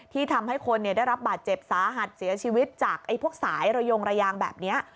ที่ทำให้คนได้รับบาดเจ็บสาหัสเสียชีวิตจากพวกสายระยงระยางแบบนี้